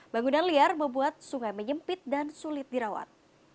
bangunan liar membuat sungai menyempit dan sulit dirawat